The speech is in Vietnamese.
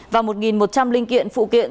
và một một trăm linh linh kiện phụ kiện